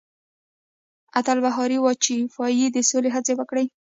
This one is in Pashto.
اتل بهاري واجپايي د سولې هڅې وکړې.